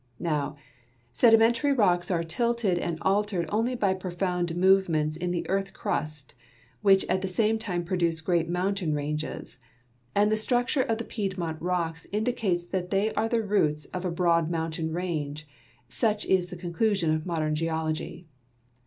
Now, sedimentary rocks are tilted and altered only by profound movements in the earth crust which at the same tiine produce great mountain ranges, and the struc ture of the Piedmont rocks indicates that they are the roots of a broad mountain range ; such is the conclusion of modern geol ogy.